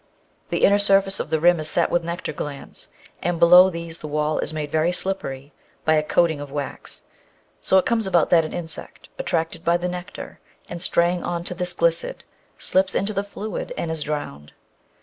The inner surface of the rim is set with nectar glands, and below these the wall is made very slippery by a coat ing of wax. So it comes about that an insect, attracted by the nectar and straying on to this glissade, slips into the fluid and is drowned.